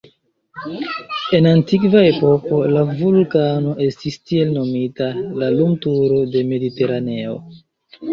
En antikva epoko, la vulkano estis tiel nomita "la lumturo de Mediteraneo".